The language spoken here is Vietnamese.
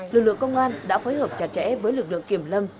lực lượng công an đã phối hợp chặt chẽ với lực lượng kiểm lâm